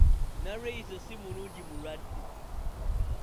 Nalweyiso si mulungi mulwadde.